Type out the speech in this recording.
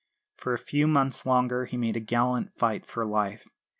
For a few months longer he made a gallant fight for life.